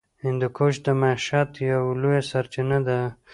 هندوکش د معیشت یوه لویه سرچینه ده.